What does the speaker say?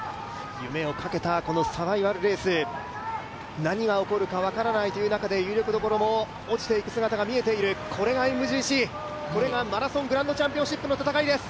夢をかけたサバイバルレース、何が起こるか分からないという中で有力どころも落ちていく姿が見えている、これがＭＧＣ、これがマラソングランドチャンピオンシップの戦いです。